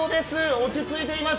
落ち着いています。